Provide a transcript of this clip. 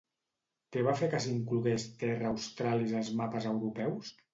Què va fer que s'inclogués Terra Australis als mapes europeus?